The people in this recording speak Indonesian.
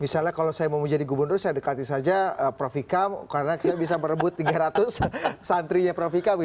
misalnya kalau saya mau jadi gubernur saya dekati saja prof vika karena bisa merebut tiga ratus santri prof vika